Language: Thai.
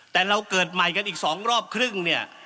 แต่เราเกิดใหม่กันอีก๒รอบครึ่งเนี่ย